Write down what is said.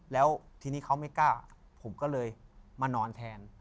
แล้วทีนี้เขาไม่กล้าผมก็เลยมานอนแทน